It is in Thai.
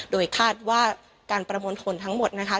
โดยคาดว่าการประมวลผลทั้งหมดนะคะ